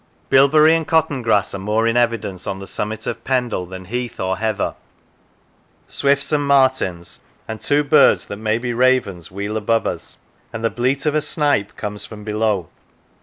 Bilberry and 215 Lancashire cotton grass are more in evidence on the summit of Pendle than heath or heather. Swifts and martins and two birds that may be ravens wheel above us, and the bleat of a snipe comes from below.